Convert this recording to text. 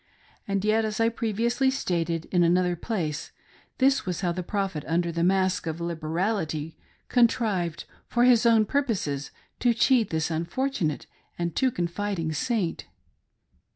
And yet, as I previously stated in another place, this was how the Prophet, under the mask of liberality, contrived, for his own purposes, to cheat this unfortunate and too confiding Saint.